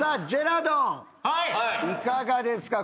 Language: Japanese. いかがですか？